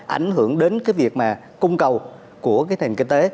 ảnh hưởng đến việc cung cầu của nền kinh tế